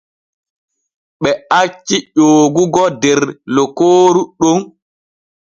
Ɓe acci ƴoogogo der lokooru ɗon.